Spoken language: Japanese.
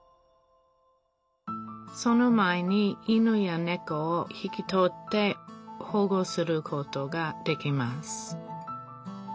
その前に犬やねこを引き取って保護することができます